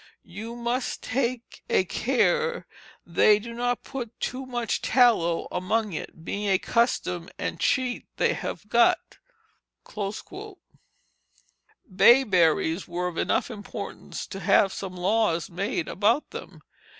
You must take a care they do not put too much tallow among it, being a custom and cheat they have got." Bayberries were of enough importance to have some laws made about them.